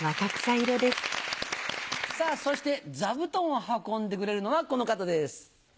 そして座布団を運んでくれるのはこの方です。